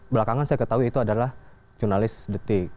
belakangan saya ketahui itu adalah jurnalis detik